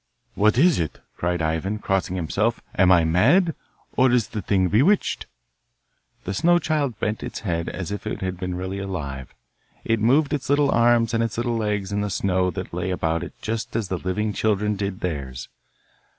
'What is it?' cried Ivan, crossing himself. 'Am I mad, or is the thing bewitched?' The snow child bent its head as if it had been really alive. It moved its little arms and its little legs in the snow that lay about it just as the living children did theirs.